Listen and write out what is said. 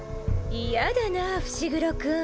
嫌だなぁ伏黒君。